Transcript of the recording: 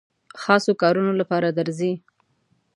خاصو کارونو لپاره درځي.